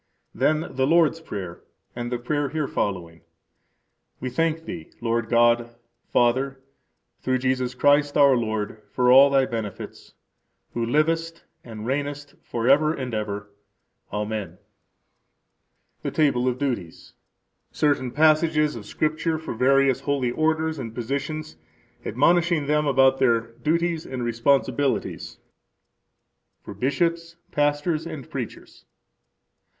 Then the Lord's Prayer and the prayer here following: We thank Thee, Lord God, Father, through Jesus Christ, our Lord, for all Thy benefits, who livest and reignest forever and ever. Amen. Table of Duties Certain passages of scripture for various holy orders and positions, admonishing them about their duties and responsibilities For Bishops, Pastors, and Preachers.